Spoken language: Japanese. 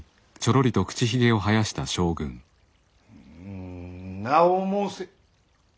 ん名を申せ。